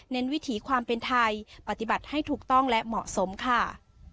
วิถีความเป็นไทยปฏิบัติให้ถูกต้องและเหมาะสมค่ะ